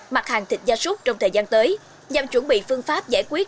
mặt hàng thịt gia súc trong thời gian tới nhằm chuẩn bị phương pháp giải quyết